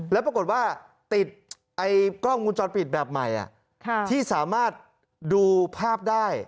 แล้วปรากฏว่าติดกล้องวงจรปิดแบบใหม่ที่สามารถดูภาพได้